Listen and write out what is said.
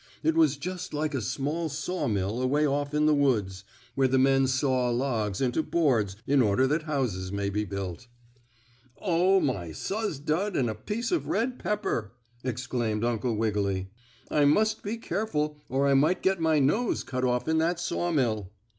It was just like a small saw mill away off in the woods, where the men saw logs into boards in order that houses may be built. "Oh, my suz dud and a piece of red paper!" exclaimed Uncle Wiggily. "I must be careful or I might get my nose cut off in that saw mill."